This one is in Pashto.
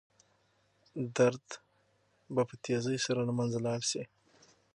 درد به په تېزۍ سره له منځه لاړ شي.